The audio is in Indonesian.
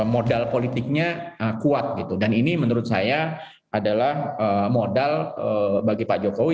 modal politiknya kuat gitu dan ini menurut saya adalah modal bagi pak jokowi